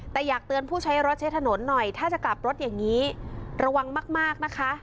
แต่อยากเตือนผู้ใช้รถใช้ถนนหน่อยถ้าจะกลับรถอย่างนี้ระวังมากนะคะ